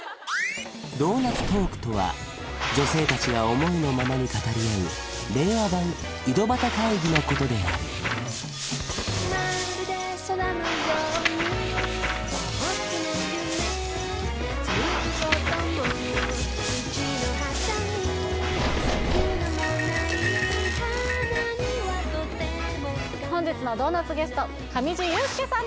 ドーナツトークとは女性達が思いのままに語り合う令和版井戸端会議のことである本日のドーナツゲスト上地雄輔さんです